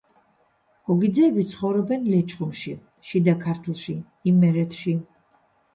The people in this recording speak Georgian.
გოგიძეები ცხოვრობენ ლეჩხუმში, შიდა ქართლში, იმერეთში.